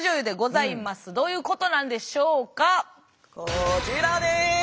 こちらです！